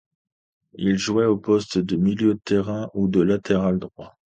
Il jouait au poste de milieu de terrain ou de latéral droit.